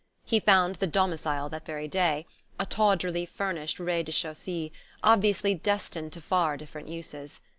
He found the "domicile" that very day: a tawdrily furnished rez de chaussee, obviously destined to far different uses.